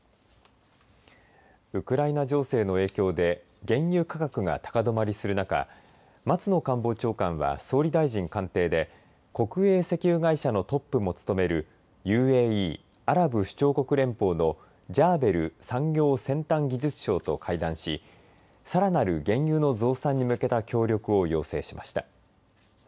ウクライナ情勢の影響で原油価格が高止まりする中松野官房長官は総理大臣官邸で国営石油会社のトップも務めるＵＡＥ、アラブ首長国連邦のジャーベル産業・先端技術相と会談しさらなる原油の増産に向けた協力を要請しました。